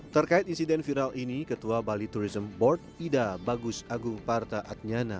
terkait insiden viral ini ketua bali tourism board ida bagus agung parta atnyana